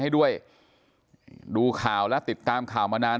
ดูข่าวติดตามข่าวมานาน